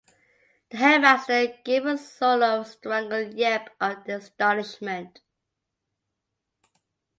The headmaster gave a sort of strangled yelp of astonishment.